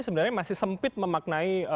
sebenarnya masih sempit memakai